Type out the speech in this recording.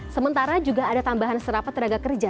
sementara juga ada tambahan serapan tenaga kerja